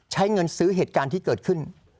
ใช้เงินซื้อเหตุการณ์ที่เกิดขึ้น